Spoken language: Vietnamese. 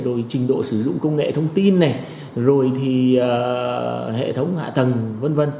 rồi trình độ sử dụng công nghệ thông tin này rồi thì hệ thống hạ tầng v v